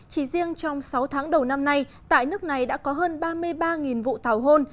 chỉ riêng trong sáu tháng đầu năm nay tại nước này đã có hơn ba mươi ba vụ tàu hôn